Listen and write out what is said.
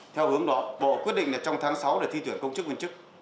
theo hướng đó bộ quyết định trong tháng sáu để thi tuyển công chức quyền chức